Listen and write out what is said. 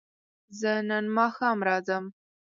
زه نن ماښام راځم